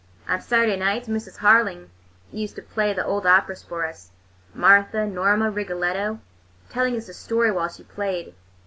On Saturday nights, Mrs. Harling used to play the old operas for us,—"Martha," "Norma," "Rigoletto,"—telling us the story while she played.